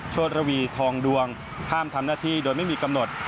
โชธระวีทองดวงห้ามทำหน้าที่โดยไม่มีกำหนด